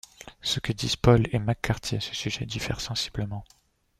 Ce que disent Paul et McCarty à ce sujet diffère sensiblement.